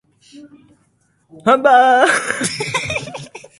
ベナンの憲法上の首都はポルトノボである